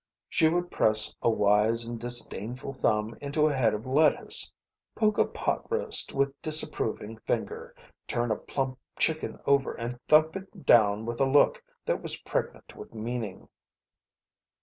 She would press a wise and disdainful thumb into a head of lettuce; poke a pot roast with disapproving finger; turn a plump chicken over and thump it down with a look that was pregnant with meaning.